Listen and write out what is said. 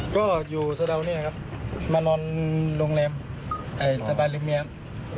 ก็อยู่สะดาวเนี่ยครับมานอนโรงแรมสบายริเมียน